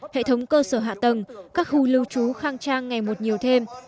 hệ thống cơ sở hạ tầng các khu lưu trú khang trang ngày một nhiều thêm